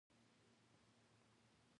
• ته د ژوند هغه پاڼه یې چې نه شلېږي.